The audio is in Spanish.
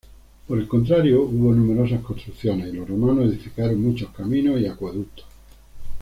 Por el contrario, hubo numerosas construcciones, y los romanos edificaron muchos caminos y acueductos.